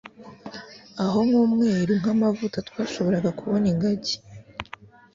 aho nk'umweru nk'amavuta twashoboraga kubona ingagi